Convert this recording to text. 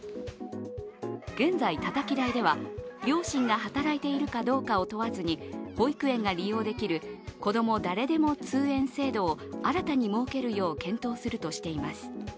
現在、たたき台では両親が働いているかどうかを問わずに保育園が利用できる、こども誰でも通園制度を新たに設けるよう検討するとしています。